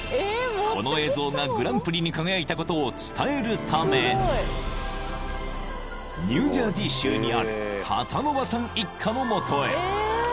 ［この映像がグランプリに輝いたことを伝えるためニュージャージー州にあるカサノヴァさん一家の元へ］